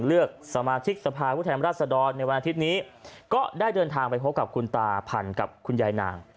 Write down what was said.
เลือกสมาชิกสภาพ๖๙ปกติก็ได้เดินทางไปพบกับคุณตาพันค์กับคุณยายนาง